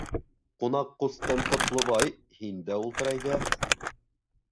Ҡунаҡ ҡустым, Ҡотлобай, һин дә ултыр әйҙә.